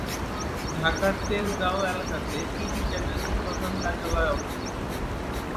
ঢাকার তেজগাঁও এলাকাতে টিভি চ্যানেলটির প্রধান কার্যালয় অবস্থিত।